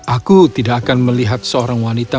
aku tidak akan melihat seorang wanita